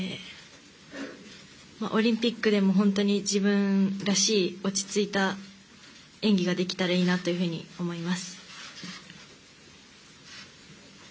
オリンピックでも自分らしい落ち着いた演技ができたらいいなと思います。